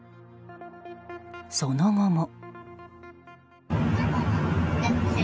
その後も。